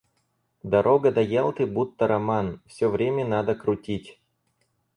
Дорога до Ялты будто роман: все время надо крутить.